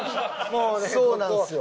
そうなんですよ。